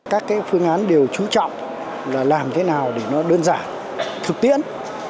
các phương án đều trú trọng là làm thế nào để nó đơn giản thực tiễn